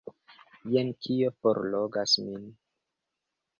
Jen kio forlogas min!